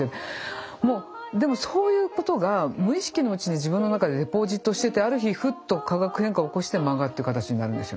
もうでもそういうことが無意識のうちに自分の中でデポジットしててある日ふっと化学変化を起こして漫画っていう形になるんですよ。